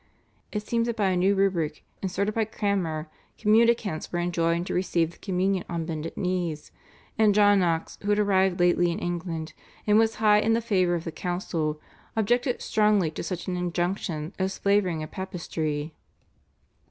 It seems that by a new rubric inserted by Cranmer communicants were enjoined to receive the communion on bended knees, and John Knox, who had arrived lately in England and was high in the favour of the council, objected strongly to such an injunction as flavouring of papistry.